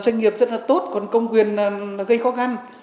doanh nghiệp rất là tốt còn công quyền gây khó khăn